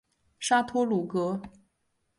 沙托鲁格。